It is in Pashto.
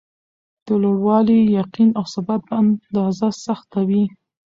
د لوړوالي ،یقین او ثبات په اندازه سخته وي.